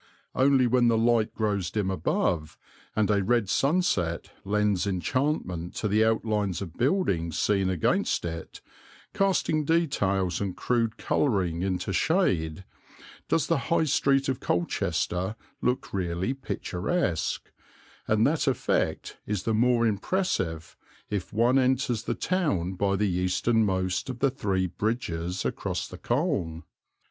Only when the light grows dim above and a red sunset lends enchantment to the outlines of buildings seen against it, casting details and crude colouring into shade, does the High Street of Colchester look really picturesque; and that effect is the more impressive if one enters the town by the easternmost of the three bridges across the Colne.